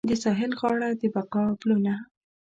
د ساحل غاړه د بقا پلونه